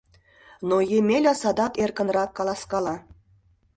Но Емела садак эркынрак каласкала.